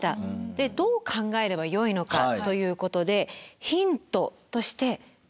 でどう考えればよいのかということでヒントとしてこちら。